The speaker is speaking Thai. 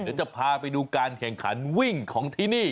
เดี๋ยวจะพาไปดูการแข่งขันวิ่งของที่นี่